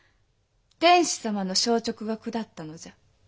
天子様の詔勅が下ったのじゃ。